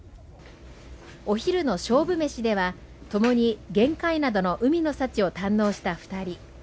お昼の勝負メシではともに玄界灘の海の幸を堪能した２人。